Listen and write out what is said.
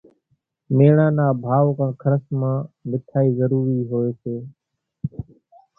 ميڻا نا ڀائو ڪان کرس مان مِٺائِي ضرور هوئيَ سي۔